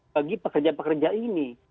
bagi pekerja pekerja ini